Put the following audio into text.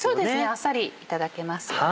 あっさりいただけますよね。